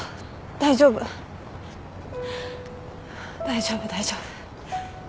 大丈夫大丈夫。